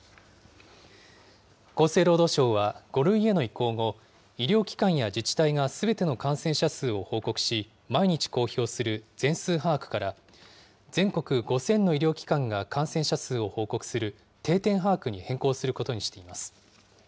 厚生労働省は、５類への移行後、医療機関や自治体がすべての感染者数を報告し、毎日公表する全数把握から、全国５０００の医療機関が感染者数を報告する、定点把握に変更することにしています。